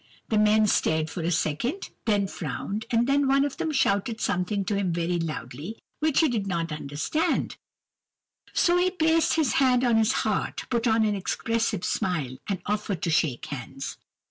The men stared for a second, then frowned, and then one of them shouted something to him very loudly, which he did not understand; so he placed his hand on his heart, put on an expressive smile, and offered to shake hands.